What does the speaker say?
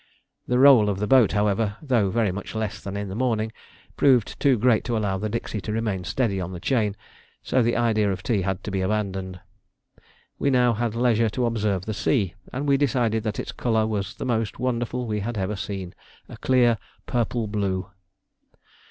The roll of the boat, however, though very much less than in the morning, proved too great to allow the dixie to remain steady on the chain, so the idea of tea had to be abandoned. We now had leisure to observe the sea, and we decided that its colour was the most wonderful we had ever seen a clear purple blue.